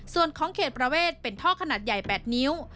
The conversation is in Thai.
ส่วนของเขตประเวทเป็นท่อขนาดใหญ่๘นิ้ว